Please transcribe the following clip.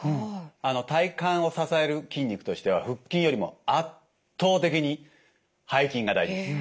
体幹を支える筋肉としては腹筋よりも圧倒的に背筋が大事です。